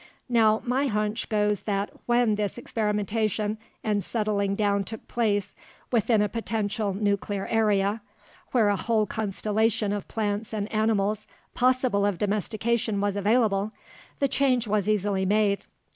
Now my hunch goes that when this experimentation and settling down took place within a potential nuclear area where a whole constellation of plants and animals possible of domestication was available the change was easily made.